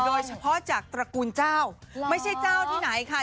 โดยเฉพาะจากตระกูลเจ้าไม่ใช่เจ้าที่ไหนค่ะ